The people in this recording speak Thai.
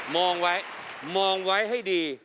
มองไว้มองไว้ให้ดี